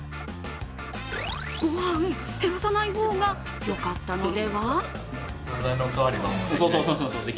ごはん、減らさない方がよかったのでは？